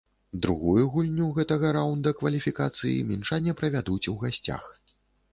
Другую гульню гэтага раунда кваліфікацыі мінчане правядуць у гасцях.